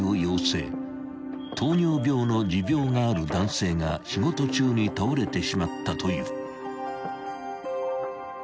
［糖尿病の持病がある男性が仕事中に倒れてしまったという］